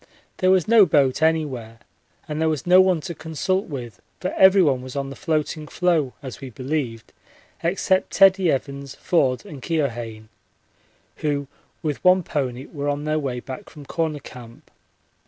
There was no boat anywhere and there was no one to consult with, for everyone was on the floating floe as we believed, except Teddie Evans, Forde, and Keohane, who with one pony were on their way back from Corner Camp.